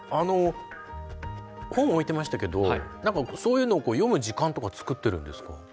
本を置いてましたけどそういうのを読む時間とかつくってるんですか？